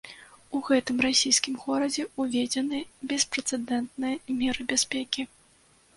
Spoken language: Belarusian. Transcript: У гэтым расійскім горадзе ўведзеныя беспрэцэдэнтныя меры бяспекі.